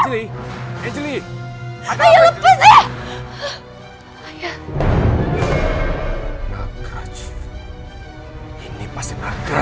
saat apa tapi hari ini rindu